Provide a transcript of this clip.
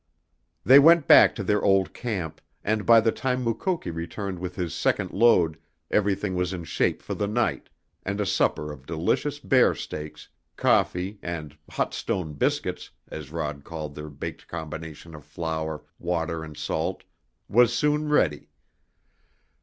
They went back to their old camp, and by the time Mukoki returned with his second load everything was in shape for the night, and a supper of delicious bear steaks, coffee and "hot stone biscuits," as Rod called their baked combination of flour, water and salt, was soon ready.